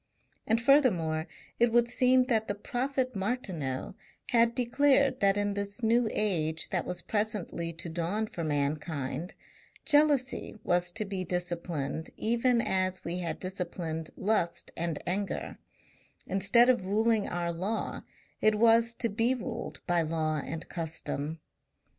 And furthermore it would seem that the prophet Martineau had declared that in this New Age that was presently to dawn for mankind, jealousy was to be disciplined even as we had disciplined lust and anger; instead of ruling our law it was to be ruled by law and custom.